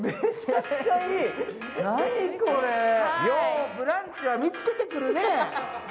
よう「ブランチ」は見つけてくるね。